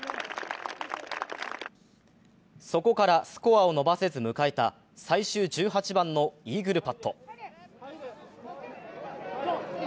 そこからスコアを伸ばせず迎えた最終１８番のイーグルパット。